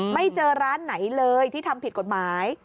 ไม่เจอร้านไหนเลยที่ทำผิดกฎหมาย